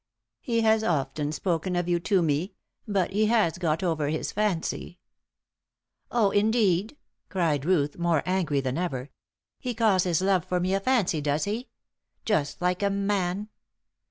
He has often spoken of you to me; but he has got over his fancy." "Oh, indeed!" cried Ruth, more angry than ever. "He calls his love for me a fancy, does he? Just like a man."